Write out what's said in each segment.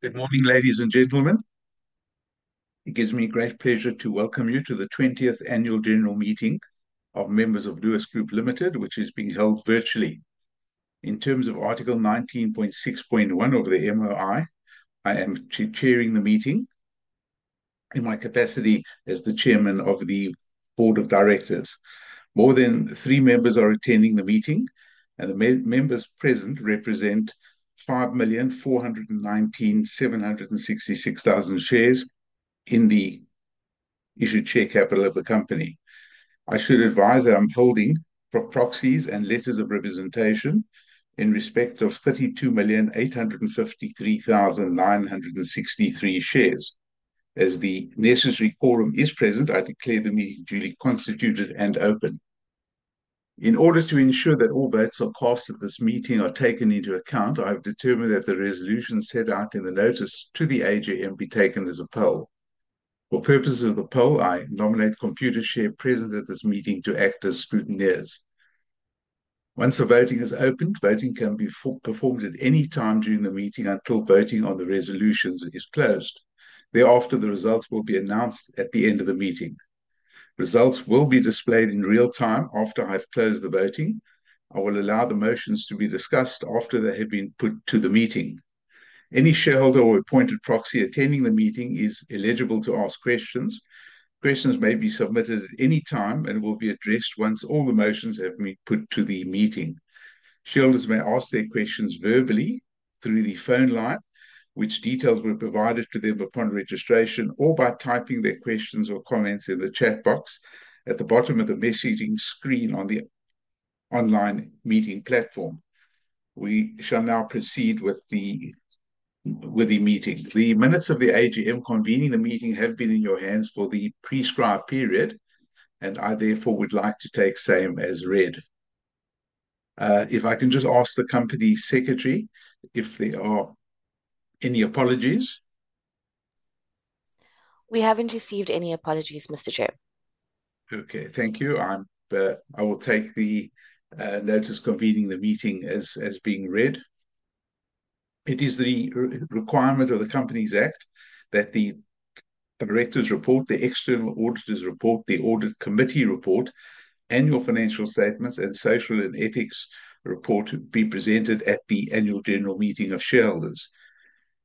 Good morning, ladies and gentlemen. It gives me great pleasure to welcome you to the 20th Annual General Meeting of Members of Lewis Group Limited, which is being held virtually. In terms of Article 19.6.1 of the MOI, I am chairing the meeting in my capacity as the chairman of the board of directors. More than three members are attending the meeting, and the members present represent 5,419,766 shares in the issued share capital of the company. I should advise that I'm holding proxies and letters of representation in respect of 32,853,963. As the necessary quorum is present, I declare the meeting duly constituted and open. In order to ensure that all votes are cast at this meeting are taken into account, I have determined that the resolution set out in the notice to the AGM be taken as a poll. For purposes of the poll, I nominate Computershare present at this meeting to act as scrutineers. Once the voting is opened, voting can be performed at any time during the meeting until voting on the resolutions is closed. Thereafter, the results will be announced at the end of the meeting. Results will be displayed in real time after I've closed the voting. I will allow the motions to be discussed after they have been put to the meeting. Any shareholder or appointed proxy attending the meeting is eligible to ask questions. Questions may be submitted at any time and will be addressed once all the motions have been put to the meeting. Shareholders may ask their questions verbally through the phone line, which details were provided to them upon registration, or by typing their questions or comments in the chat box at the bottom of the messaging screen on the online meeting platform. We shall now proceed with the meeting. The minutes of the AGM convening the meeting have been in your hands for the prescribed period, and I therefore would like to take same as read. If I can just ask the company secretary if there are any apologies? We haven't received any apologies, Mr. Chair. Okay, thank you. But I will take the notice convening the meeting as being read. It is the requirement of the Companies Act that the Directors' Report, the external auditor's report, the Audit Committee Report, Annual Financial Statements, and Social and Ethics Report be presented at the annual general meeting of shareholders.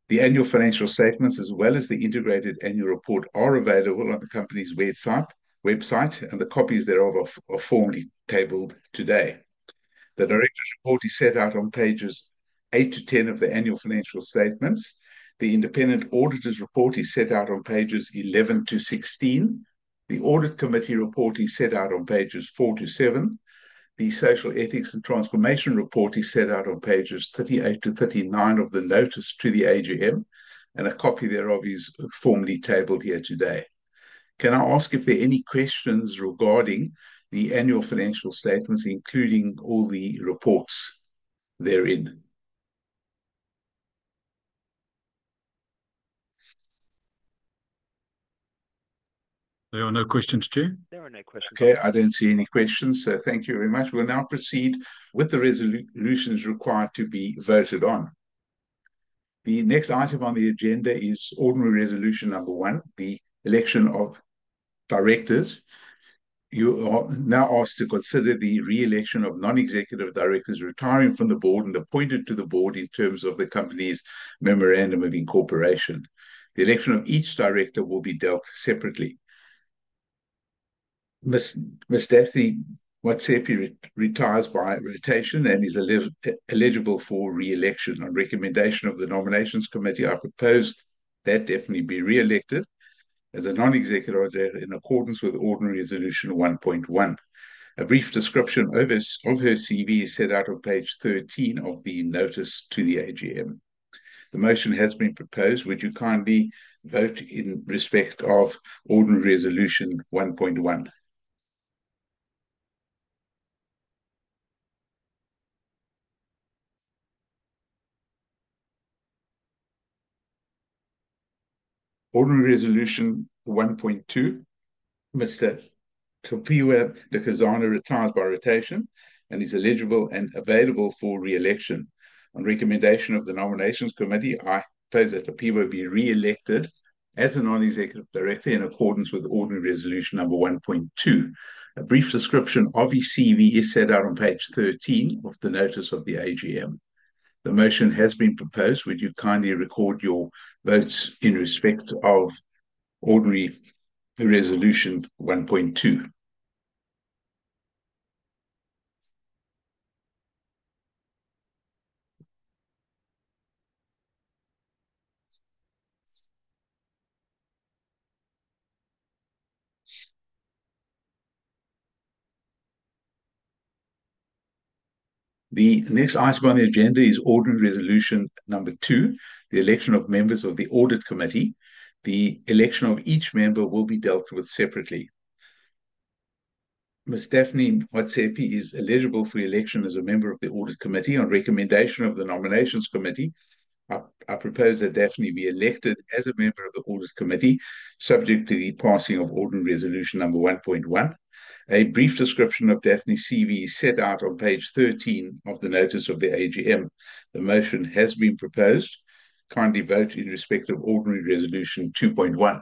The Annual Financial Statements, as well as the Integrated Annual Report, are available on the company's website, and the copies thereof are formally tabled today. The Directors' Report is set out on pages 8 to 10 of the Annual Financial Statements. The Independent Auditor's Report is set out on pages 11 to 16. The Audit Committee Report is set out on pages 4 to 7. The Social, Ethics and Transformation Report is set out on pages 38 to 39 of the notice to the AGM, and a copy thereof is formally tabled here today. Can I ask if there are any questions regarding the Annual Financial Statements, including all the reports therein? There are no questions, Chair. Okay, I don't see any questions, so thank you very much. We'll now proceed with the resolutions required to be voted on. The next item on the agenda is Ordinary Resolution number 1, the election of directors. You are now asked to consider the re-election of non-executive directors retiring from the board and appointed to the board in terms of the company's Memorandum of Incorporation. The election of each director will be dealt separately. Ms. Daphne Motsepe retires by rotation and is eligible for re-election. On recommendation of the Nominations Committee, I propose that Daphne be re-elected as a non-executive director in accordance with Ordinary Resolution 1.1. A brief description of her CV is set out on page 13 of the notice to the AGM. The motion has been proposed. Would you kindly vote in respect of Ordinary Resolution number 1.1. Ordinary Resolution number 1.2. Mr. Tapiwa Njikizana retires by rotation and is eligible and available for re-election. On recommendation of the Nominations Committee, I propose that Tapiwa Njikizana be re-elected as a non-executive director in accordance with Ordinary Resolution number 1.2. A brief description of his CV is set out on page 13 of the notice of the AGM. The motion has been proposed. Would you kindly record your votes in respect of Ordinary Resolution number 1.2? The next item on the agenda is Ordinary Resolution number 2, the election of members of the Audit Committee. The election of each member will be dealt with separately. Ms. Daphne Motsepe is eligible for election as a member of the Audit Committee. On recommendation of the Nominations Committee, I propose that Daphne be elected as a member of the Audit Committee, subject to the passing of Ordinary Resolution number 1.1. A brief description of Daphne's CV is set out on page 13 of the notice of the AGM. The motion has been proposed. Kindly vote in respect of Ordinary Resolution 2.1.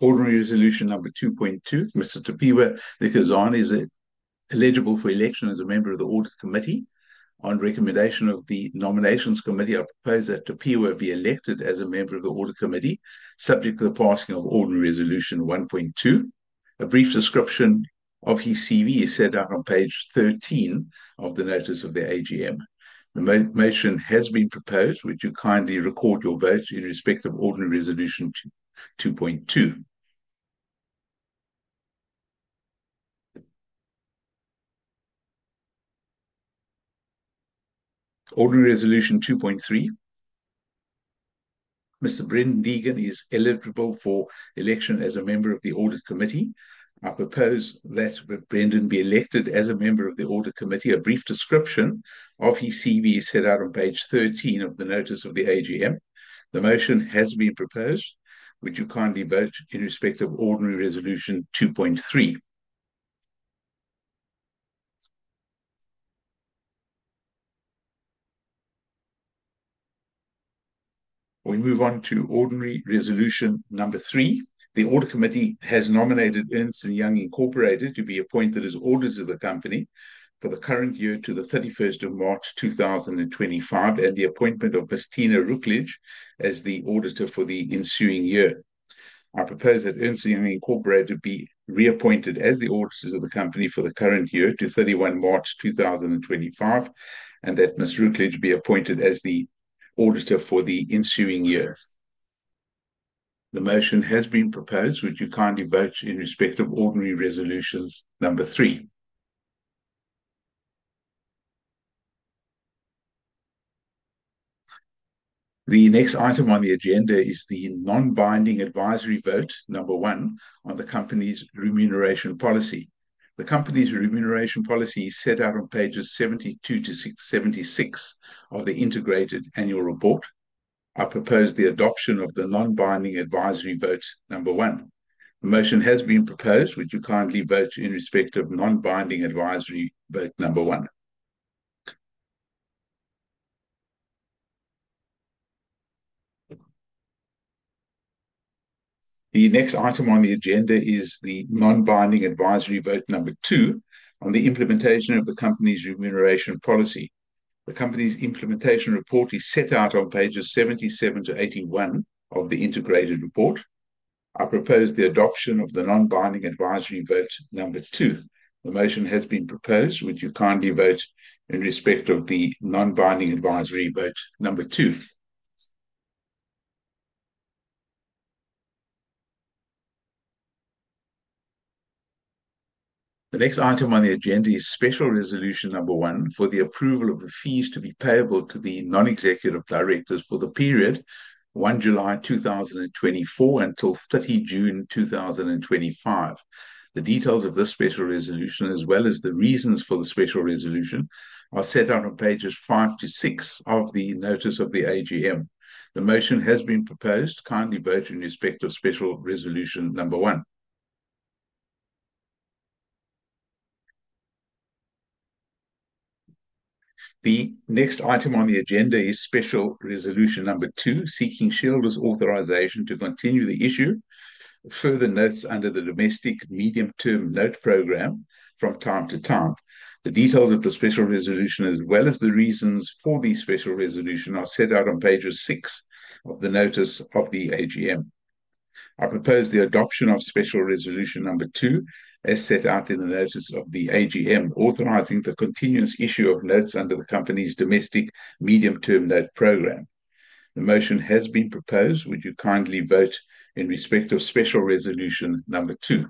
Ordinary Resolution number 2.2. Mr. Tapiwa Njikizana is eligible for election as a member of the Audit Committee. On recommendation of the Nominations Committee, I propose that Tapiwa be elected as a member of the Audit Committee, subject to the passing of Ordinary Resolution 1.2. A brief description of his CV is set out on page 13 of the notice of the AGM. The motion has been proposed. Would you kindly record your vote in respect of Ordinary Resolution 2.2? Ordinary Resolution 2.3. Mr. Brendan Deegan is eligible for election as a member of the Audit Committee. I propose that Brendan be elected as a member of the Audit Committee. A brief description of his CV is set out on page 13 of the notice of the AGM. The motion has been proposed. Would you kindly vote in respect of Ordinary Resolution 2.3? We move on to Ordinary Resolution number 3. The Audit Committee has nominated Ernst & Young Incorporated to be appointed as auditors of the company for the current year to the thirty-first of March, 2025, and the appointment of Ms. Tina Rookledge as the auditor for the ensuing year. I propose that Ernst & Young Incorporated be reappointed as the auditors of the company for the current year 31 March 2025, and that Ms. Rookledge be appointed as the auditor for the ensuing year. The motion has been proposed. Would you kindly vote in respect of Ordinary Resolution number 3? The next item on the agenda is the non-binding advisory vote number 1 on the company's remuneration policy. The company's remuneration policy is set out on pages 72-76 of the integrated annual report. I propose the adoption of the non-binding advisory vote number 1. The motion has been proposed. Would you kindly vote in respect of non-binding advisory vote number 1? The next item on the agenda is the non-binding advisory vote number 2 on the implementation of the company's remuneration policy. The company's implementation report is set out on pages 77-81 of the Integrated Report. I propose the adoption of the non-binding advisory vote number 2. The motion has been proposed. Would you kindly vote in respect of the non-binding advisory vote number 2? The next item on the agenda is Special Resolution number 1 for the approval of the fees to be payable to the non-executive directors for the period 1 July 2024 until 30 June 2025. The details of this special resolution, as well as the reasons for the special resolution, are set out on pages five to six of the notice of the AGM. The motion has been proposed. Kindly vote in respect of Special Resolution number 1. The next item on the agenda is Special Resolution number 2, seeking shareholders' authorization to continue to issue further notes under the Domestic Medium-Term Note Programme from time to time. The details of the special resolution, as well as the reasons for the special resolution, are set out on page six of the notice of the AGM. I propose the adoption of Special Resolution number 2, as set out in the notice of the AGM, authorizing the continuous issue of notes under the company's Domestic Medium-Term Note Programme. The motion has been proposed. Would you kindly vote in respect of Special Resolution number 2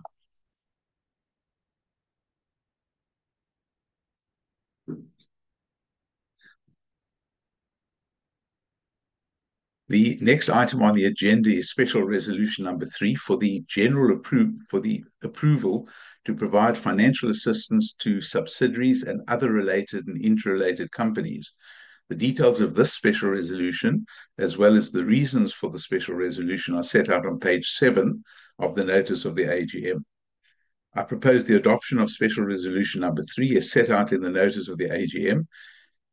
The next item on the agenda is Special Resolution number 3 for the approval to provide financial assistance to subsidiaries and other related and interrelated companies. The details of this Special Resolution, as well as the reasons for the Special Resolution, are set out on page seven of the notice of the AGM. I propose the adoption of Special Resolution number 3, as set out in the notice of the AGM,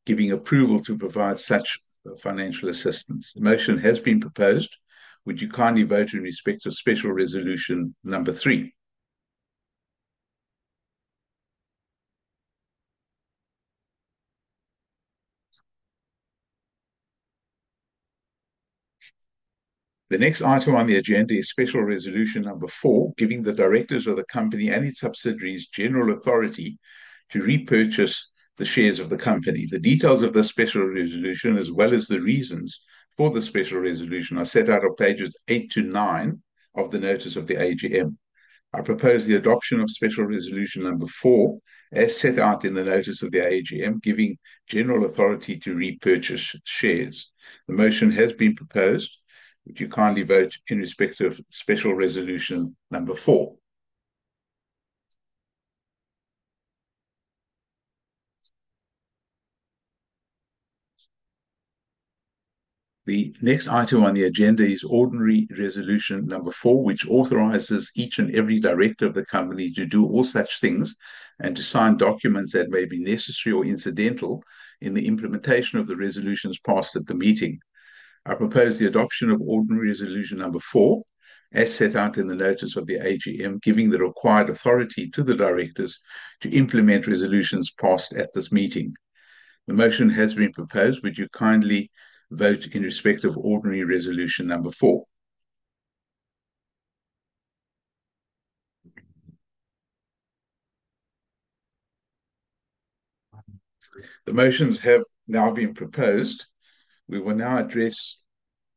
giving approval to provide such financial assistance. The motion has been proposed. Would you kindly vote in respect of Special Resolution number 3? The next item on the agenda is Special Resolution number 4, giving the directors of the company and its subsidiaries general authority to repurchase the shares of the company. The details of the Special Resolution, as well as the reasons for the Special Resolution, are set out on pages eight to nine of the notice of the AGM. I propose the adoption of Special Resolution number 4 as set out in the notice of the AGM, giving general authority to repurchase shares. The motion has been proposed. Would you kindly vote in respect of Special Resolution number 4? The next item on the agenda is Ordinary Resolution number 4 which authorizes each and every director of the company to do all such things and to sign documents that may be necessary or incidental in the implementation of the resolutions passed at the meeting. I propose the adoption of Ordinary Resolution number 4, as set out in the notice of the AGM, giving the required authority to the directors to implement resolutions passed at this meeting. The motion has been proposed. Would you kindly vote in respect of Ordinary Resolution number 4? The motions have now been proposed. We will now address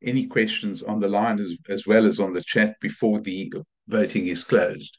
any questions on the line, as well as on the chat, before the voting is closed.